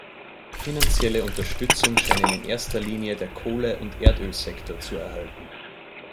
Finanzielle Unterstützung scheinen in erster Linie der Kohle- und Erdölsektor zu erhalten.